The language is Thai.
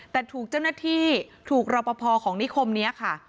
แต่ถูกเจ้าหน้าที่ถูกรอปภของนิคมนี้ค่ะ